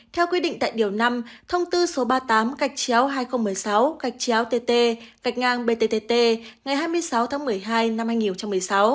theo quy định tại điều năm thông tư số ba mươi tám hai nghìn một mươi sáu tt bttt ngày hai mươi sáu tháng một mươi hai năm hai nghìn một mươi sáu